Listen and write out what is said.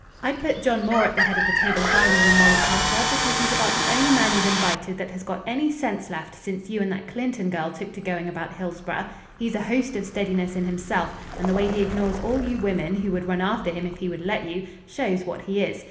"I'd put John Moore at the head of the table if I were you, Molly Carter, because he's about the only man you've invited that has got any sense left since you and that Clinton girl took to going about Hillsboro. He's a host of steadiness in himself, and the way he ignores all you women, who would run after him if he would let you, shows what he is.